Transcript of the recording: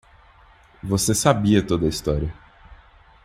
Você sabia toda a história.